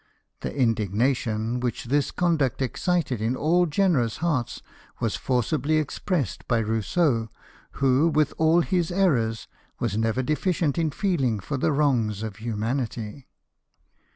The indignation which this conduct excited in all generous hearts was forcibly expressed by Rousseau, who, with all his errors, was never deficient in feeling for the wrongs of humanity.